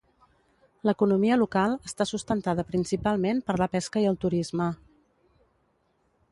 L"economia local està sustentada principalment per la pesca i el turisme.